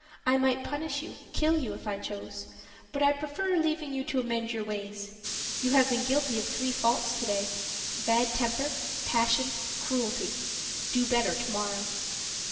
I might punish you, kill you, if I chose; but I prefer leaving you to amend your ways. You have been guilty of three faults today bad temper, passion, cruelty: do better to morrow."